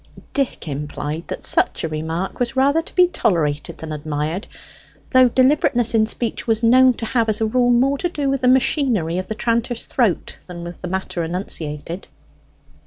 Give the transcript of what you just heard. Dick implied that such a remark was rather to be tolerated than admired; though deliberateness in speech was known to have, as a rule, more to do with the machinery of the tranter's throat than with the matter enunciated.